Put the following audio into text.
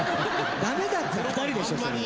ダメだった２人でしょそれ。